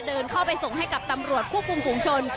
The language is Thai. เดินเข้าไปส่งให้กับตำรวจควบคุมฝุงชน